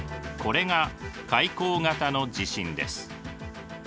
これが海溝型の地震です。